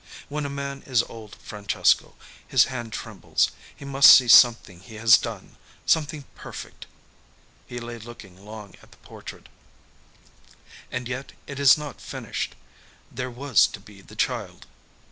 When a man is old, Francesco, his hand trembles. He must see something he has done, something perfect...." He lay looking long at the portrait. "And yet it is not finished.... There was to be the child."